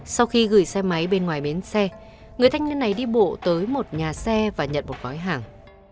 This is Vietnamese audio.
sau khi gửi xe máy bên ngoài bến xe người thanh niên này đi bộ tới một nhà xe và nhận một gói hàng